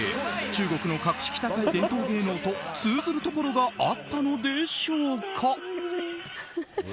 中国の格式高い伝統芸能と通ずるところがあったのでしょうか。